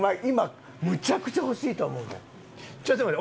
今むちゃくちゃ欲しいと思うねん。